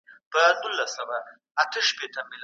ده د اسنادو سم ترتيب ته پام وکړ.